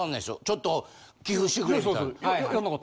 ちょっと寄付してくれみたいなの。